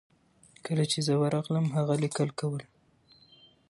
کله چې زه ورغلم هغه لیکل کول.